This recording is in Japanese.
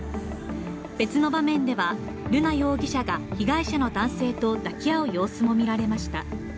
別の場面では瑠奈容疑者が被害者の男性と抱き合う様子も見られました。